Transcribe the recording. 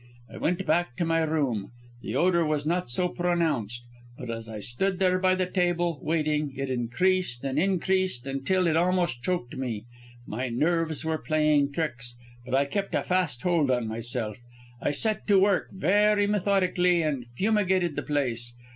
I went back to my room. The odour was not so pronounced, but as I stood by the table, waiting, it increased, and increased, until it almost choked me. My nerves were playing tricks, but I kept a fast hold on myself. I set to work, very methodically, and fumigated the place.